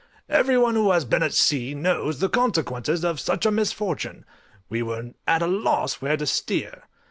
Every one who has been at sea knows the consequences of such a misfortune: we now were at a loss where to steer.